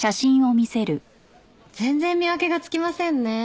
全然見分けがつきませんね。